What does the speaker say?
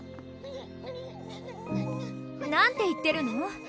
何て言ってるの？